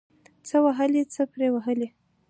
څه وهلي ، څه پري وهلي.